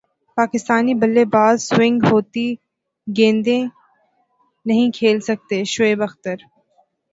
پاکستانی بلے باز سوئنگ ہوتی گیندیں نہیں کھیل سکتے شعیب اختر